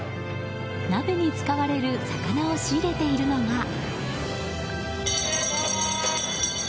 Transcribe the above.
鍋に使われる魚を仕入れているのが。